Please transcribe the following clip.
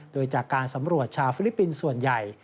โดยจากการสำรวจชาวฟิลิปปินส์ส่วนใหญ่